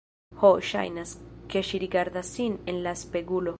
Ho, ŝajnas, ke ŝi rigardas sin en la spegulo